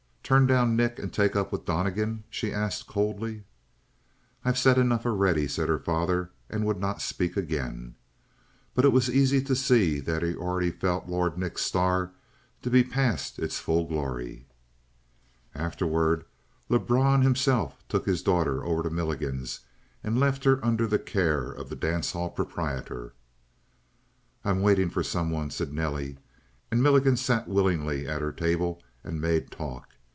"Turn down Nick and take up Donnegan?" she asked coldly. "I've said enough already," said her father, and would not speak again. But it was easy to see that he already felt Lord Nick's star to be past its full glory. Afterward, Lebrun himself took his daughter over to Milligan's and left her under the care of the dance hall proprietor. "I'm waiting for someone," said Nelly, and Milligan sat willingly at her table and made talk.